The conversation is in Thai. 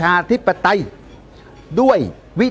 ตอนต่อไป